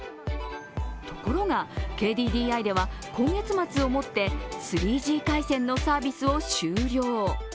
ところが、ＫＤＤＩでは今月末をもって３Ｇ回線のサービスを終了。